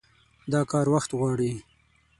دا کار وخت غواړي.